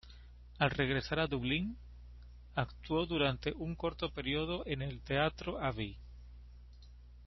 Al regresar a Dublín, actuó durante un corto período en el Teatro Abbey.